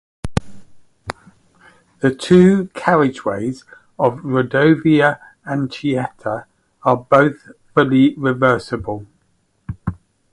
The two carriageways of Rodovia Anchieta are both fully reversible.